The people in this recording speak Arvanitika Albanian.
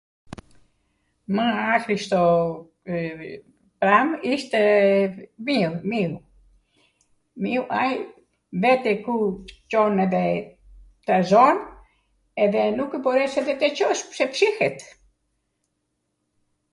mw ahristo pramw ishtw miu, miu. miu aj vete ku Con edhe trazon edhe nukw mbores te Cosh pse pshihet